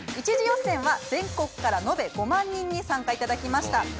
１次予選は全国から延べ５万人に参加いただきました。